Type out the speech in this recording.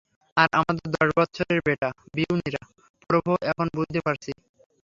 আর আমাদের দশ বৎসরের বেটা-বিউনিরা!!! প্রভো, এখন বুঝতে পারছি।